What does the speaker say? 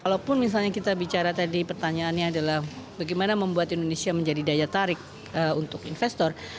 karena tadi pertanyaannya adalah bagaimana membuat indonesia menjadi daya tarik untuk investor